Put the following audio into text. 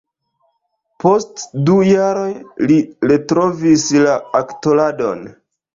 Post du jaroj, li retrovis la aktoradon.